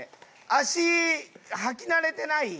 足履き慣れてないやつ